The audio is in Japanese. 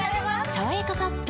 「さわやかパッド」